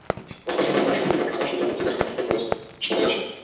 গতকাল সকালে তাঁরা সপরিবার ঢাকার সূত্রাপুর থেকে ঢাকা মেডিকেল কলেজ হাসপাতালে আসেন।